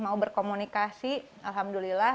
mau berkomunikasi alhamdulillah